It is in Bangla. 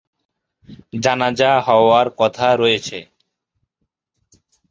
জানাজা হওয়ার কথা রয়েছে।